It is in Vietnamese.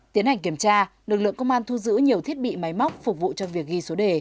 tiến hành kiểm tra lực lượng công an thu giữ nhiều thiết bị máy móc phục vụ cho việc ghi số đề